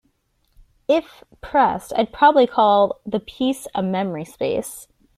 If pressed, I'd probably call the piece a 'memory space.